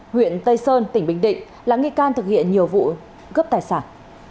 huyện tây sơn tỉnh bình định là nghi can thực hiện nhiều vụ cướp tài sản